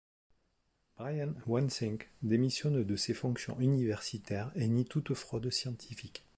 Brian Wansink démissionne de ses fonctions universitaires et nie toute fraude scientifique.